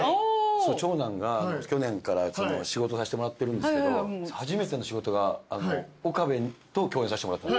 長男が去年から仕事させてもらってるんですけど初めての仕事が岡部と共演させてもらった。